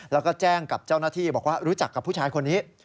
แล้วก็แจ้งกับเจ้าหน้าที่บอกว่ารู้จักกับผู้ชายคนนี้